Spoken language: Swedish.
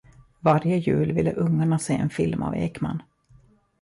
Varje jul ville ungarna se en film av Ekman.